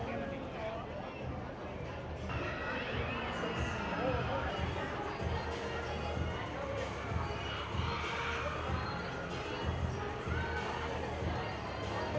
ที่ไม่มีใคร